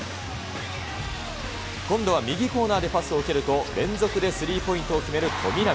今度は右コーナーでパスを受けると、連続でスリーポイントを決める富永。